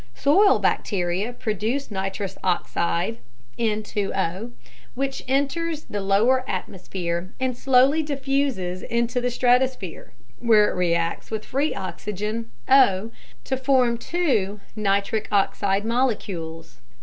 Soil bacteria produce nitrous oxide (N2O) which enters the lower atmosphere and slowly diffuses into the stratosphere, where it reacts with free oxygen (O) to form two NO molecules.